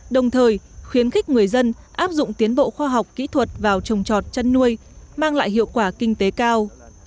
đồng thời khuyến khích người dân áp dụng tiến bộ khoa học kỹ thuật vào trồng trọt chăn nuôi mang lại hiệu quả kinh tế cao